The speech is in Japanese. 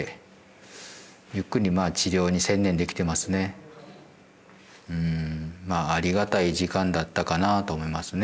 今はちょっとねありがたい時間だったかなと思いますね